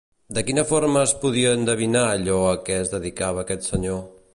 De quina forma es podia endevinar allò a què es dedicava aquest senyor?